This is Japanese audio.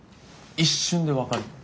一瞬で分かるの。